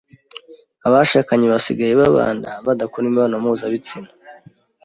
abashakanye basigaye babana badakora imibonano mpuzabitsina